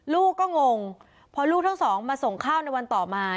ลูกก็งงพอลูกทั้งสองมาส่งข้าวในวันต่อมา